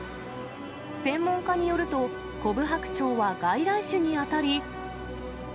専門家によると、コブハクチョウは外来種に当たり。